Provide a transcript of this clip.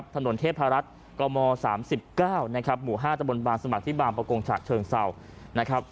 ถนนเทพภรรัฐกม๓๙หมู่๕จบบาลสมัครที่บาลปกรงชาติเชิงเศร้า